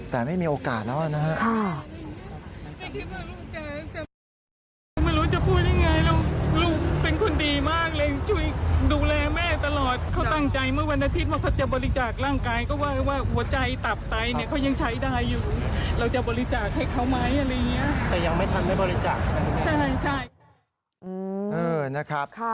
แต่ไม่มีโอกาสแล้วนะครับ